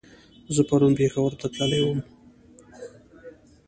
زه پرون پېښور ته تللی ووم